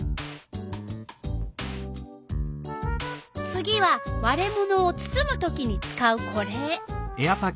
次はわれ物をつつむときに使うこれ。